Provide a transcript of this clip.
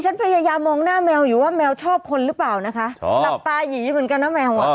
ฉันพยายามมองหน้าแมวอยู่ว่าแมวชอบคนหรือเปล่านะคะ